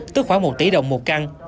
tức khoảng một tỷ đồng một cao